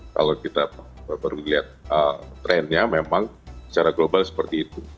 kalau kita baru melihat trennya memang secara global seperti itu